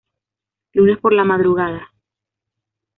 Lunes por la madrugada.